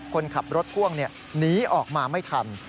คนขับรถพ่วงหนีออกมาไม่ทัน